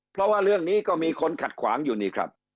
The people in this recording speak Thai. เพราะว่าเรื่องนี้ก็มีคนขัดขวางอยู่นี่ครับ